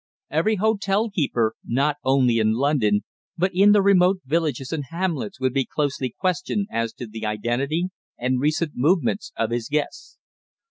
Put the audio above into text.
Every hotel keeper, not only in London, but in the remote villages and hamlets would be closely questioned as to the identity and recent movements of his guests.